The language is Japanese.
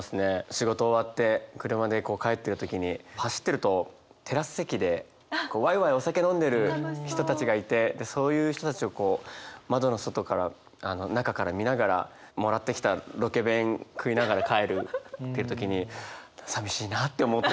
仕事終わって車でこう帰ってる時に走ってるとテラス席でワイワイお酒飲んでる人たちがいてそういう人たちをこう窓の外から中から見ながらもらってきたロケ弁食いながら帰るっていう時にさみしいなって思ったりする。